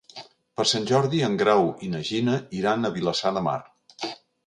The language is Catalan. Per Sant Jordi en Grau i na Gina iran a Vilassar de Mar.